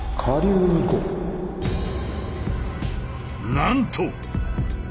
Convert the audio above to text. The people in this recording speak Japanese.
なんと！